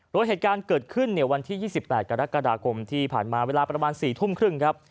โรยเหตุการณ์เกิดขึ้นเนี่ยวันที่ยี่สิบแปดกรกฎากรมที่ผ่านมาเวลาประมาณสี่ทุ่มครึ่งครับ